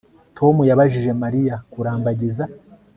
Tom yabajije Mariya kurambagiza